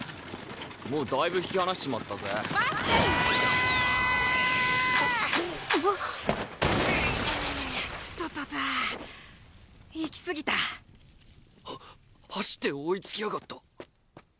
もうだいぶ引き離しちまったぜ待って！ととと行きすぎたは走って追いつきやがった